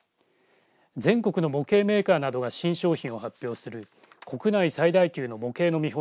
全国の模型メーカーなどが新商品を発表する国内最大級の模型の見本